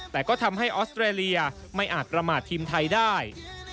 แต่ก็ทำให้ออสเตรเลียไม่อาจประมาททีมไทยได้